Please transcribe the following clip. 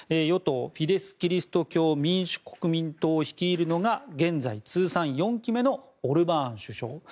与党のフィデス・キリスト教民主国民党を率いるのが現在通算４期目のオルバーン首相。